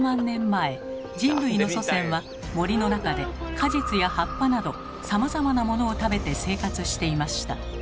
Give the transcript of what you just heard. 人類の祖先は森の中で果実や葉っぱなどさまざまなものを食べて生活していました。